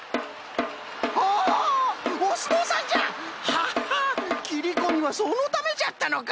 ハハッきりこみはそのためじゃったのか。